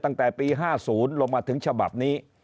ตั้งแต่ปี๕๐ลงมาถึงฉบับนี้